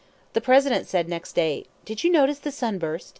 The President said next day: "Did you notice the sun burst?